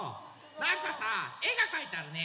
なんかさえがかいてあるね。